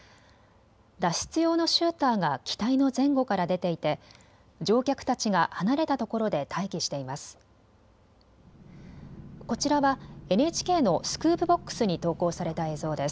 脱出用のシューターが機体の前後から出ていて乗客たちが離れた所で待機しています。